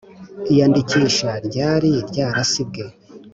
iyandikisha ryari ryarasibwe